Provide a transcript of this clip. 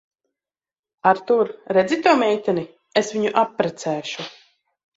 Artūr, redzi to meiteni? Es viņu apprecēšu.